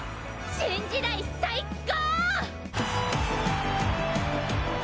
新時代最高！